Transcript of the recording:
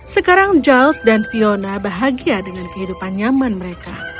sekarang giles dan fiona bahagia dengan kehidupan nyaman mereka